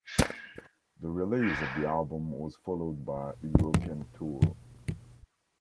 The release of the album was followed by a European tour.